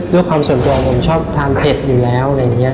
ด้วยความส่วนตัวผมชอบทานเผ็ดอยู่แล้ว